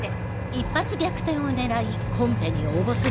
一発逆転を狙いコンペに応募する。